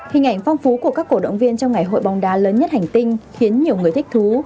hình ảnh phong phú của các cổ động viên trong ngày hội bóng đá lớn nhất hành tinh khiến nhiều người thích thú